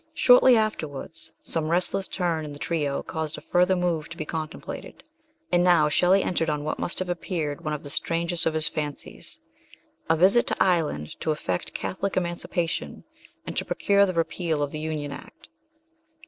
Shortly after wards some restless turn in the trio caused a further move to be contemplated, and now Shelley entered on what must have appeared one of the strangest of his fancies a visit to Ireland to effect Catholic Emanci pation and to procure the repeal of the Union Act.